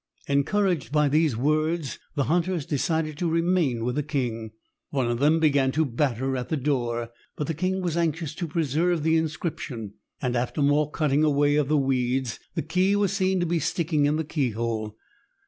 Encouraged by these words, the hunters decided to remain with the king. One of them began to batter at the door, but the king was anxious to preserve the inscription, and after more cutting away of weeds, the key was seen to be sticking in the keyhole.